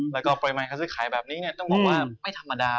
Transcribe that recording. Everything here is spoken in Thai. แล้วก็ปริมาณการซื้อขายแบบนี้ต้องบอกว่าไม่ธรรมดา